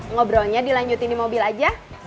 ngobrolnya dilanjutin di mobil aja